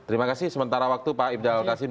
terima kasih sementara waktu pak ildal qasim